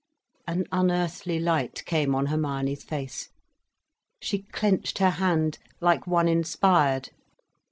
An unearthly light came on Hermione's face. She clenched her hand like one inspired.